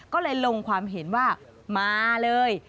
ก็เลยลงความเห็นว่ามาเลย